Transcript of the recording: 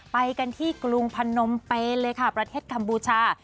ไปกันที่กรุงพนมเปนเลยค่ะประเทศกัมพูชา